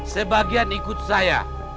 sebagian ikut saya